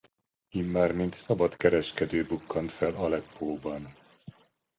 Immár mint szabad kereskedő bukkant fel Aleppóban.